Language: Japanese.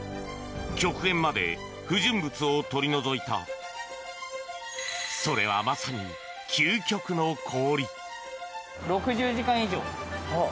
極限まで不純物を取り除いたそれは、まさに究極の氷。